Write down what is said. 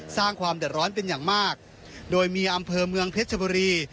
สร้างความเดือดร้อนเป็นอย่างมากโดยมีอำเภอเมืองเพชรบุรี